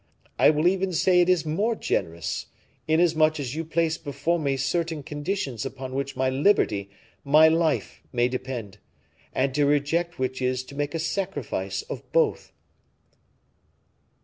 I will even say it is more generous, inasmuch as you place before me certain conditions upon which my liberty, my life, may depend; and to reject which is to make a sacrifice of both."